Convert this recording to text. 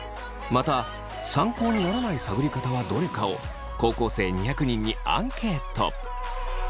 また参考にならない探り方はどれか？を高校生２００人にアンケート。